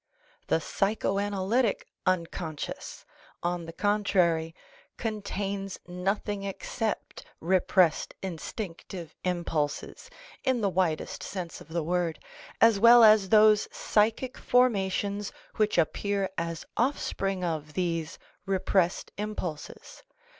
The psycho analytic " unconscious," on the contrary, contains nothing except repressed instinctive impulses in the widest sense of the word, as well as those psychic formations which appear as offspring of these repressed impulses.